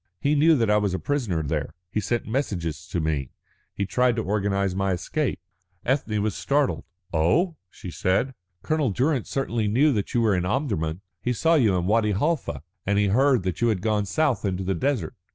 He knew that I was a prisoner there. He sent messages to me, he tried to organise my escape." Ethne was startled. "Oh," she said, "Colonel Durrance certainly knew that you were in Omdurman. He saw you in Wadi Halfa, and he heard that you had gone south into the desert.